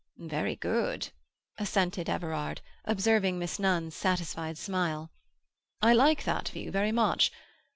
"Very good," assented Everard, observing Miss Nunn's satisfied smile. "I like that view very much.